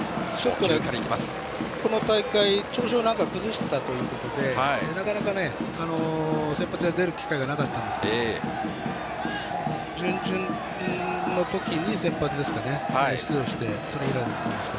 この大会、調子を崩していたということでなかなか先発で出る機会がなかったんですが準々決勝のときに先発で出場して、それ以来です。